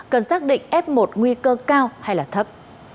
cần xác định f một nguy cơ cao hay là thấp